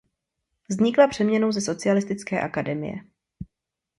Vznikla přeměnou ze Socialistické akademie.